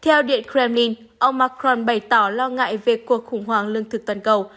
theo điện kremlin ông macron bày tỏ lo ngại về cuộc khủng hoảng lương thực toàn cầu